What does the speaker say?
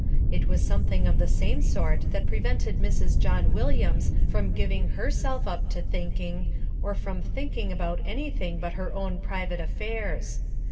It was something of the same sort that prevented Mrs. John Williams from giving herself up to thinking, or from thinking about anything but her own private affairs.